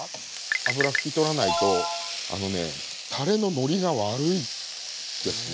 脂拭き取らないとあのねたれののりが悪いですね